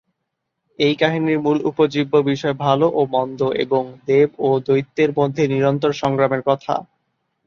এই কাহিনির মূল উপজীব্য বিষয় ভাল ও মন্দ এবং দেব ও দৈত্যের মধ্যে নিরন্তর সংগ্রামের কথা।